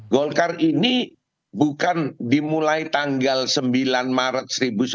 golkar ini bukan dimulai tanggal sembilan maret seribu sembilan ratus empat puluh